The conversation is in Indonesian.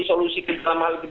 solusi kebijakan diskresi